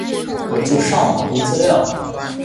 我就上网读资料